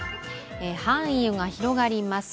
範囲が広がります。